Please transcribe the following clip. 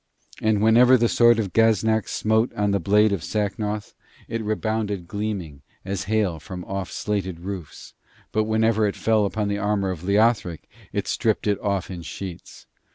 And whenever the sword of Gaznak smote on the blade of Sacnoth it rebounded gleaming, as hail from off slated roofs; but whenever it fell upon the armour of Leothric, it stripped it off in sheets.